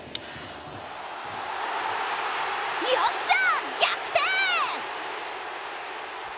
よっしゃ、逆転！